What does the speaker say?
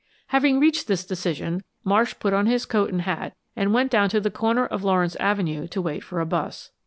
Having reached this decision Marsh put on his coat and hat and went down to the corner of Lawrence Avenue to wait for a bus.